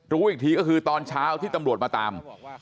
รู้อีกทีก็คือตอนเช้าที่ตำรวจมาตาม